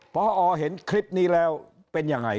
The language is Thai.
พอเห็นคลิปนี้แล้วเป็นยังไง